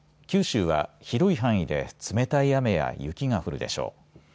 九州は広い範囲で冷たい雨や雪が降るでしょう。